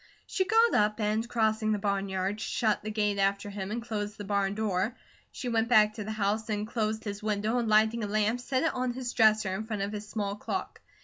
She got up and crossing the barnyard shut the gate after him, and closed the barn door. She went back to the house and closed his window and lighting a lamp set it on his dresser in front of his small clock.